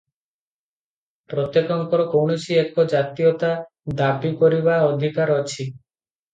ପ୍ରତ୍ୟେକଙ୍କର କୌଣସି ଏକ ଜାତୀୟତା ଦାବୀ କରିବା ଅଧିକାର ଅଛି ।